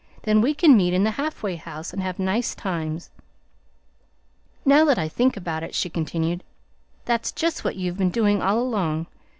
Then we can meet in the halfway house and have nice times. Now that I think about it," she continued, "that's just what you've been doing all along.